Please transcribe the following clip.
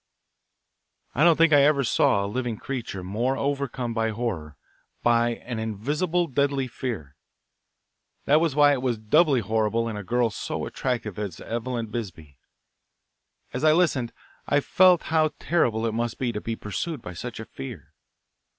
I don't think I ever saw a living creature more overcome by horror, by an invisible, deadly fear. That was why it was doubly horrible in a girl so attractive as Eveline Bisbee. As I listened I felt how terrible it must be to be pursued by such a fear.